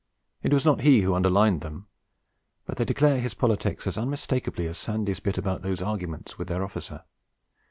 It was not he who underlined them; but they declare his politics as unmistakably as Sandy's bit about those arguments with their officer.